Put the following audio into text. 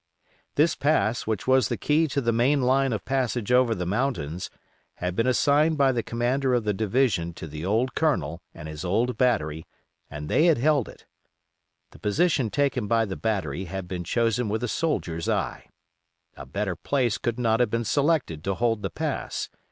This pass, which was the key to the main line of passage over the mountains, had been assigned by the commander of the division to the old Colonel and his old battery, and they had held it. The position taken by the battery had been chosen with a soldier's eye. A better place could not have been selected to hold the pass.